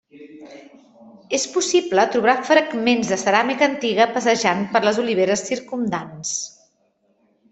És possible trobar fragments de ceràmica antiga passejant per les oliveres circumdants.